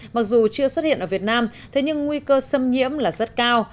mặc dù chưa xuất hiện ở việt nam thế nhưng nguy cơ xâm nhiễm là rất cao